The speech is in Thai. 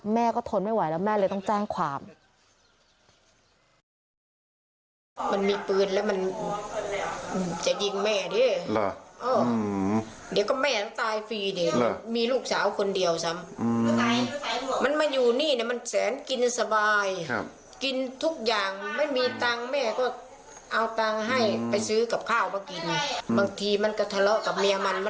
แม่ก็ทนไม่ไหวแล้วแม่เลยต้องแจ้งความ